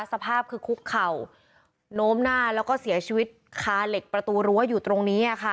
สภาพคือคุกเข่าโน้มหน้าแล้วก็เสียชีวิตคาเหล็กประตูรั้วอยู่ตรงนี้